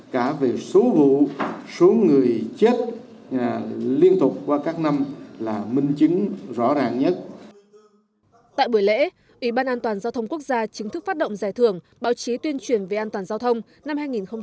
tại buổi lễ ủy ban an toàn giao thông quốc gia chính thức phát động giải thưởng báo chí tuyên truyền về an toàn giao thông năm hai nghìn hai mươi